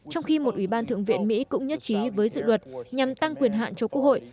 trong khi một ủy ban thượng viện mỹ cũng nhất trí với dự luật nhằm tăng quyền hạn cho quốc hội